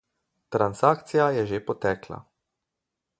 Transakcija je že potekla.